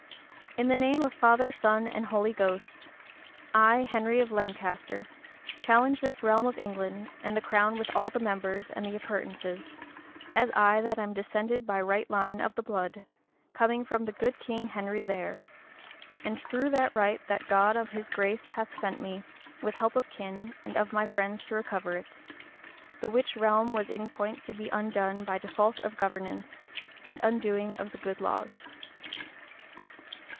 "In the name of Fadher, Son, and Holy Ghost, I Henry of Lancaster, challenge this rewme of Ynglande, and the croun with all the membres, and the appurtenances; als I that am descendit by right line of the blode, coming fro the gude king Henry therde, and throge that right that God of his grace hath sent me, with helpe of kyn, and of my frendes to recover it; the which rewme was in poynt to be ondone by defaut of governance, and ondoying of the gude lawes."